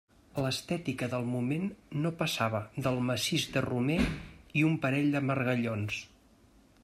L'estètica del moment no passava del massís de romer i un parell de margallons.